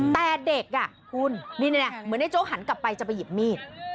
แต่เด็กคุณเหมือนในโจ๊กหันกลับไปจะไปหยิบมีด